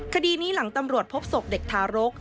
คดีนี้หลังตำรวจพบศพเด็กทารก